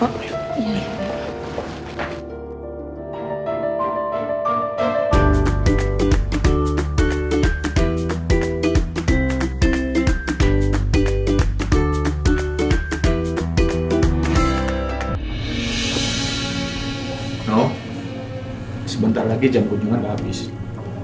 sebentar lagi jam kunjungan gak habis